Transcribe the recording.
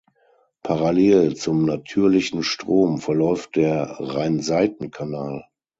Parallel zum natürlichen Strom verläuft der Rheinseitenkanal.